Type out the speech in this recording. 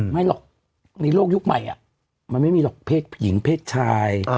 ไม่หรอกในโลกยุคใหม่มันไม่มีหรอกเพศหญิงเพศชาย